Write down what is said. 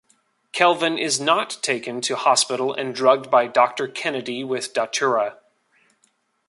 Kelvin is not taken to hospital and drugged by Doctor Kennedy with Datura.